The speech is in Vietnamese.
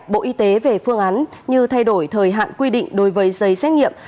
bộ y tế về phương án như thay đổi thời hạn quy định đối với giấy xét nghiệm